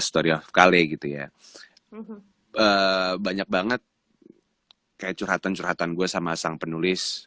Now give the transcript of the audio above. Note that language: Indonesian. story of cale gitu ya banyak banget kayak curhatan curhatan gue sama sang penulis